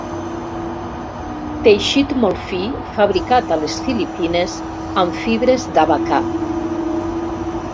Teixit molt fi fabricat a les Filipines amb fibres d'abacà.